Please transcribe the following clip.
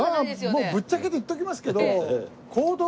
もうぶっちゃけて言っときますけど。